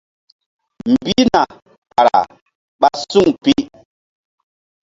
Mbihna kara ɓa suŋ pi.